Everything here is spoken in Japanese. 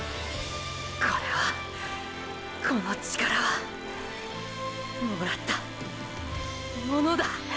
これはこの力はもらったものだ。